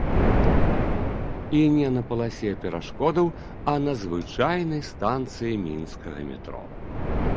І не на паласе перашкодаў, а на звычайнай станцыі мінскага метро.